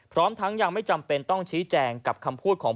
พร้อมทั้งยังไม่จำเป็นต้องชี้แจงกับคำพูดของ